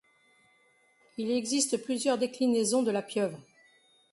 Il existe plusieurs déclinaisons de la pieuvre.